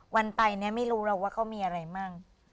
วันไปเนี่ยไม่รู้หรอกว่าเขามีอะไรมั่ง